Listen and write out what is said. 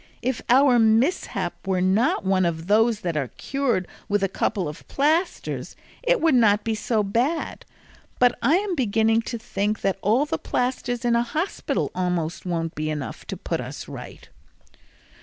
If our mishap were one of those that are cured with a couple of plasters, it would not be so bad; but I am beginning to think that all the plasters in a hospital almost won't be enough to put us right."